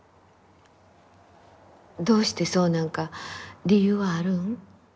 どうしてそうなんか理由はあるん？